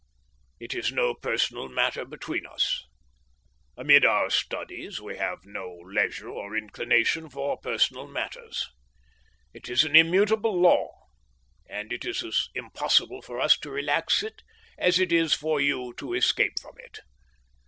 "It is no personal matter between us. Amid our studies we have no leisure or inclination for personal matters. It is an immutable law, and it is as impossible for us to relax it as it is for you to escape from it.